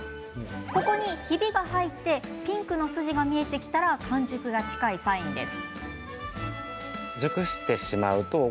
ここに、ひびが入ってピンクの筋が見えてきたら完熟が近いサインです。